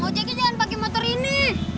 mau jagi jangan pake motor ini